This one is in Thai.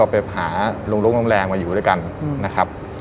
ไปหาลุงโรงแรมมาอยู่ด้วยกันนะครับ